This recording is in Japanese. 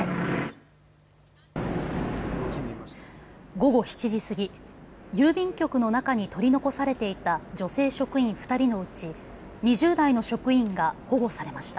午後７時過ぎ、郵便局の中に取り残されていた女性職員２人のうち２０代の職員が保護されました。